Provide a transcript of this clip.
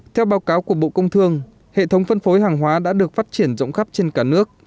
theo báo cáo của bộ công thương hệ thống phân phối hàng hóa đã được phát triển rộng khắp trên cả nước